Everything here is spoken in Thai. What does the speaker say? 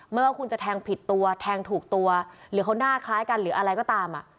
ไม่ว่าคุณจะแทงผิดตัวแทงถูกตัวหรือเขาหน้าคล้ายกันหรืออะไรก็ตาม